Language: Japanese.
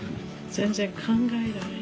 全然考えられない。